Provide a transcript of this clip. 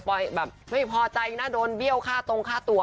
แบบไม่พอใจนะโดนเบี้ยวค่าตรงค่าตัว